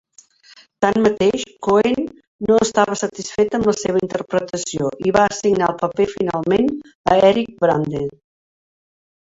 Tanmateix, Cohen no estava satisfet amb la seva interpretació i va assignar el paper finalment a Eric Braeden.